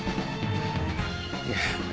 いえ。